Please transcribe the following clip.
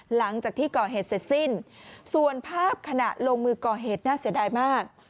หลังจากที่ก่อเหตุเสร็จสิ้นส่วนภาพขณะลงมือก่อเหตุน่าเสียดายมาก